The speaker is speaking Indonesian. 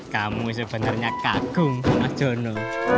kamu sebenarnya kagum sama jono